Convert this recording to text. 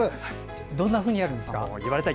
どんなふうにやるんですか？